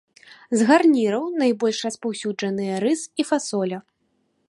З гарніраў найбольш распаўсюджаныя рыс і фасоля.